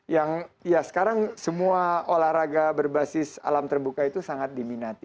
yang ya sekarang semua olahraga berbasis alam terbuka itu sangat diminati